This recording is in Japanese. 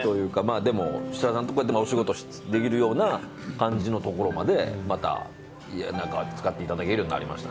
でも設楽さんとお仕事できるような感じのところまでまた使っていただけるようになりました。